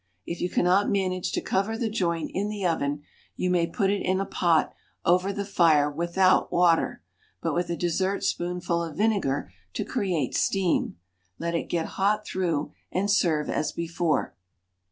If you cannot manage to cover the joint in the oven, you may put it in a pot over the fire without water, but with a dessert spoonful of vinegar to create steam; let it get hot through, and serve as before.